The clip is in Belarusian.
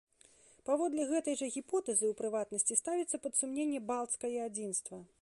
Паводле гэтай жа гіпотэзы, у прыватнасці, ставіцца пад сумненне балцкае адзінства.